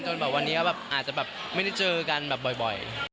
จนวันนี้อาจจะแบบไม่ได้เจอกันแบบบ่อย